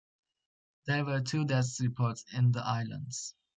There were two deaths reports in the islands.